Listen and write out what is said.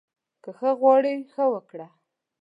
که ښه غواړې، ښه وکړه